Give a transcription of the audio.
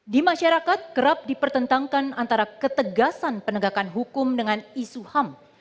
di masyarakat kerap dipertentangkan antara ketegasan penegakan hukum dengan isu ham